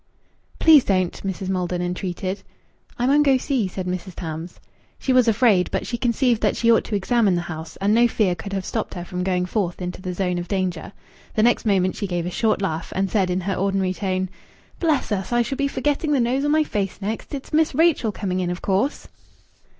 "Please don't!" Mrs. Maldon entreated. "I mun go see," said Mrs. Tams. She was afraid, but she conceived that she ought to examine the house, and no fear could have stopped her from going forth into the zone of danger. The next moment she gave a short laugh, and said in her ordinary tone "Bless us! I shall be forgetting the nose on my face next. It's Miss Rachel coming in, of course."